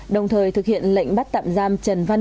đồng thời thực hiện lệnh bắt tạm giam trần văn